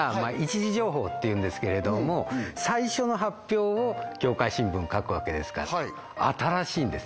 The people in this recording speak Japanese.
１次情報っていうんですけれども最初の発表を業界新聞書くわけですから新しいんです